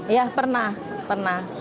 ya pernah pernah